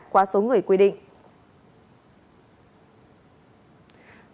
quá số người quy định